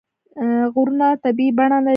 غرونه طبیعي بڼه لري.